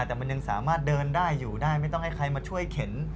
แต่มันยังสามารถเดินได้อยู่ได้ไม่ต้องให้ใครมาช่วยเข็น